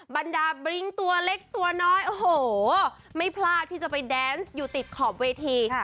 บรรดาบริ้งตัวเล็กตัวน้อยโอ้โหไม่พลาดที่จะไปแดนส์อยู่ติดขอบเวที